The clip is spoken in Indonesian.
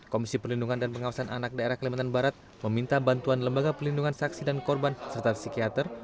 komisi perlindungan dan pengawasan anak daerah kalimantan barat meminta bantuan lembaga pelindungan saksi dan korban serta psikiater